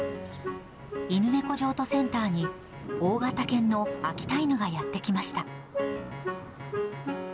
犬猫譲渡センターに、大型犬の秋田犬がやって来ました。